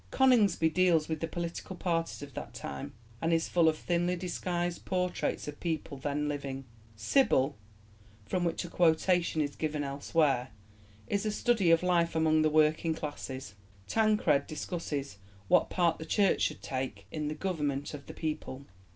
Coningsby deals with the political parties of that time, and is full of thinly disguised portraits of people then living; Sybil, from which a quotation is given elsewhere, is a study of life among the working classes; Tancred discusses what part the Church should take in the government of the people.